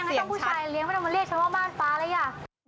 ยังไม่ต้องผู้ชายเลี้ยงไม่ต้องมาเรียกฉันว่าม่านฟ้าเลยอ่ะ